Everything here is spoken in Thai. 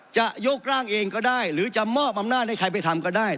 จะยกร่างเองก็ได้หรือจะมอบอำนาจให้ใครไปทำก็ได้